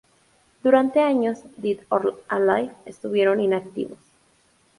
Durante años, Dead or Alive estuvieron inactivos.